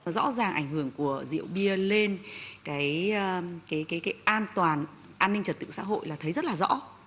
rõ ràng ảnh hưởng của rượu bia lên an toàn an ninh trật tự xã hội là thấy rất là rõ